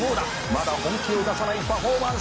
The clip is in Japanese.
「まだ本気を出さないパフォーマンスか」